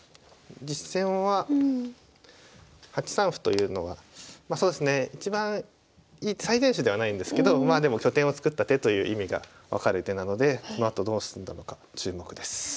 実戦は８三歩というのがまあそうですねいちばん最善手ではないんですけどまあでも拠点を作った手という意味が分かる手なのでこのあとどう進んだのか注目です。